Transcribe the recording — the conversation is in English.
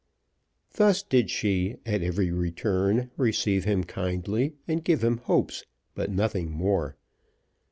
Thus did she, at every return, receive him kindly and give him hopes, but nothing more.